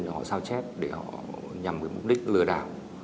họ sao chép để nhằm mục đích lừa đảo